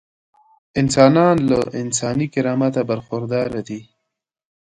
انسانان له انساني کرامته برخورداره دي.